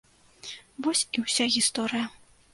Вось і ўся гісторыя.